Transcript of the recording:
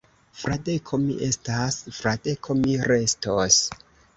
Fradeko mi estas; Fradeko mi restos.